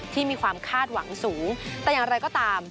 ที่มีความคาดหวังสูงแต่อย่างไรก็ตาม